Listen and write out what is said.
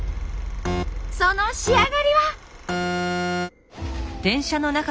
その仕上がりは。